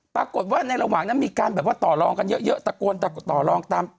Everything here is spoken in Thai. ปรากฏว่าในระหว่างนั้นมีการแบบว่าต่อลองกันเยอะตะโกนต่อลองตาม